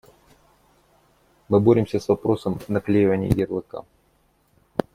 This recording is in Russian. Мы боремся с вопросом наклеивания ярлыка.